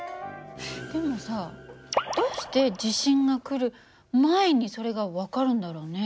でもさどうして地震が来る前にそれが分かるんだろうね？